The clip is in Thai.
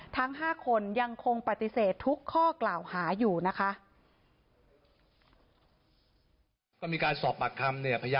ทั้ง๕คนยังคงปฏิเสธทุกข้อกล่าวหาอยู่นะคะ